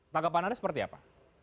tanggapan anda seperti apa